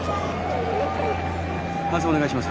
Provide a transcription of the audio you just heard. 搬送お願いします